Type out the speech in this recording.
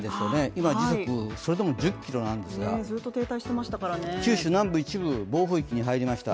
今、時速、それでも１０キロなんですが九州南部、一部暴風域に入りました。